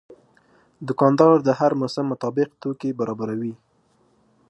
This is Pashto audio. دوکاندار د هر موسم مطابق توکي برابروي.